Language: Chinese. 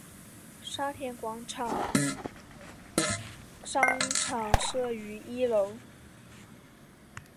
沙田广场商场设于一楼。